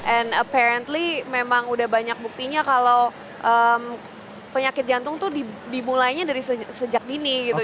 and apparently memang udah banyak buktinya kalau penyakit jantung tuh dimulainya dari sejak dini gitu